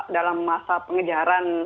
dalam masa pengejaran